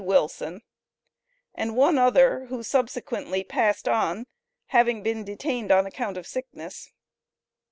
WILSON, and one other, who subsequently passed on, having been detained on account of sickness.